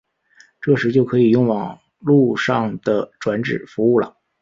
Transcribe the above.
这时就可以用网路上的转址服务了。